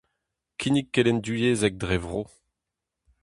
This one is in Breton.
Kinnig kelenn divyezhek dre vro.